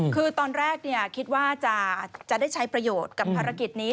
คือตอนแรกคิดว่าจะได้ใช้ประโยชน์กับภารกิจนี้